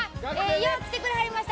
よう来てくれはりました。